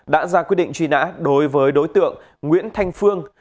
đã ra quyết định truy nã đối với đối tượng nguyễn thanh phương